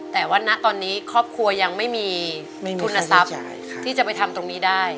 แต่ว่าณตอนนี้ครอบครัวยังไม่มีทุนทรัพย์ที่จะไปทำตรงนี้ได้